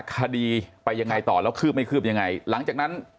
คดีไปยังไงต่อแล้วคืบไม่คืบยังไงหลังจากนั้น